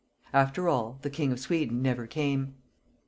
After all, the king of Sweden never came.